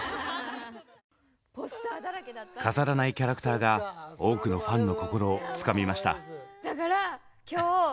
飾らないキャラクターが多くのファンの心をつかみました。